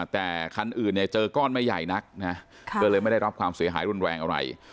แต่คันอื่นเนี่ยเจอก้อนไม่ใหญ่นักนะก็เลยไม่ได้รับความเสียหายรุนแรงอะไร